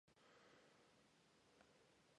She later studied philosophy while working.